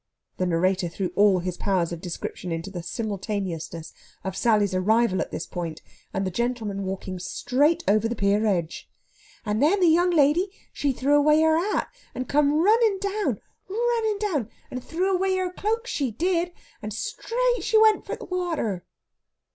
The narrator threw all his powers of description into the simultaneousness of Sally's arrival at this point and the gentleman walking straight over the pier edge. "And then the young lady she threw away her hat, and come runnin' down, runnin' down, and threw away her cloak, she did, and stra'at she went for t' wa'ater!"